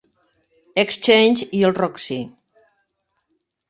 Exchange, i el Roxy.